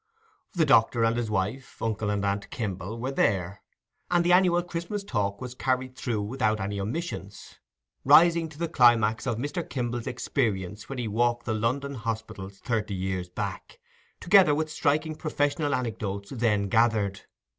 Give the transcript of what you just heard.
The doctor and his wife, uncle and aunt Kimble, were there, and the annual Christmas talk was carried through without any omissions, rising to the climax of Mr. Kimble's experience when he walked the London hospitals thirty years back, together with striking professional anecdotes then gathered.